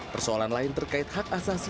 persoalan lain terkait hak asasi